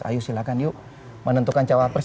ayo silahkan yuk menentukan cawa pres